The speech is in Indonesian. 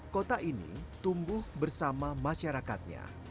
kota ini tumbuh bersama masyarakatnya